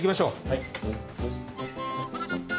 はい。